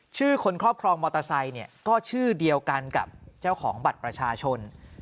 ชื่อคนครอบครองมอเตอร์ไซค์เนี่ยก็ชื่อเดียวกันกับเจ้าของบัตรประชาชน